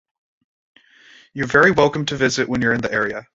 You're very welcome to visit when you're in the area.